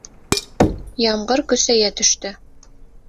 Ямғыр көсәйә төштө.